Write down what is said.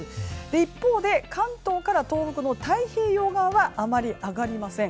一方で、関東から東北の太平洋側はあまり上がりません。